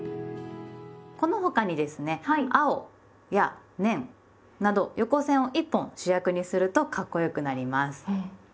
この他にですね「青」や「年」など横線を１本主役にするとかっこよくなります。